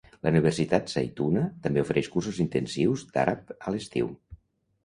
La Universitat Zaytuna també ofereix cursos intensius d'àrab a l'estiu.